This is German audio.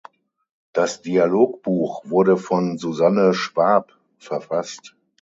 Das Dialogbuch wurde von Susanne Schwab verfasst.